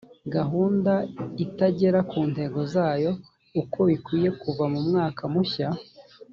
gahunda itagera ku ntego zayo uko bikwiye kuva mu mwaka mushya